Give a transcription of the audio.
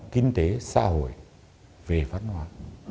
kinh tế xã hội về văn hóa